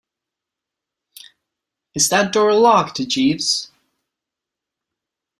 Is that door locked, Jeeves?